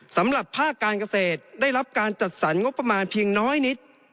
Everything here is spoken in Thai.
สำหรับภาคการเกษตรได้รับการจัดสรรงบประมาณเพียงน้อยนิด